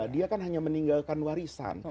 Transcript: dia kan hanya meninggalkan warisan